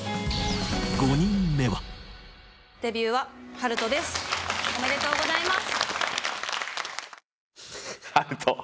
そこからおめでとうございます。